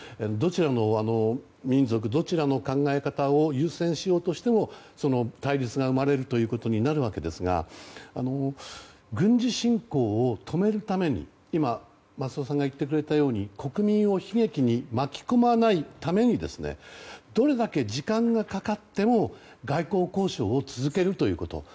どちらの民族、どちらの考え方を優先しようとしても対立が生まれるということになるわけですが軍事侵攻を止めるために今、松尾さんが言ってくれたように国民を悲劇に巻き込まないためにどれだけ時間がかかっても外交交渉を続けるということ。